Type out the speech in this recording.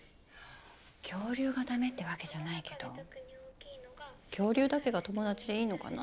恐竜がダメってわけじゃないけど恐竜だけが友達でいいのかなって。